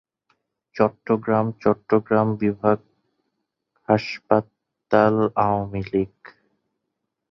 চট্টগ্রামচট্টগ্রাম বিভাগহাসপাতালআওয়ামী লীগ